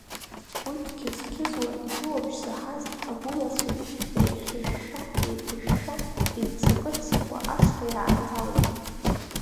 Уи дқьыз-қьызуа иҵәуабжь заҳаз агәлацәа еихьышәшәа-еиԥышәшәа иццакы-ццакуа ашҭа иааҭалеит.